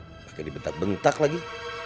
pakai dibentak bentak lagi